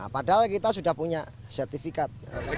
padahal kita sudah punya sertifikat